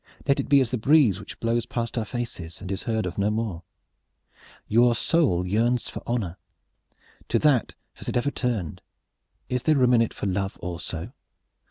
Let it be as the breeze which blows past our faces and is heard of no more. Your soul yearns for honor. To that has it ever turned. Is there room in it for love also?